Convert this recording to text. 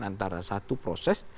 antara satu proses